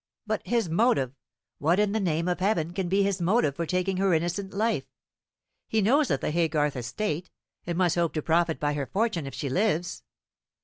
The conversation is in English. "But his motive? What, in the name of Heaven, can be his motive for taking her innocent life? He knows of the Haygarth estate, and must hope to profit by her fortune if she lives."